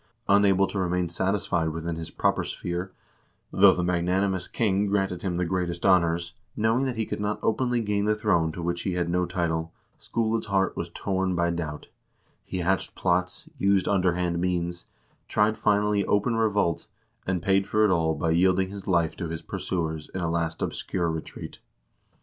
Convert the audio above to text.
Unable to remain satisfied within his proper sphere, though the magnanimous king granted him the greatest honors, knowing that he could not openly gain the throne to which he had no title, Skule's heart was torn by doubt; he hatched plots, used underhand means, tried finally open revolt, and paid for it all by yielding his life to his pursuers in a last obscure retreat.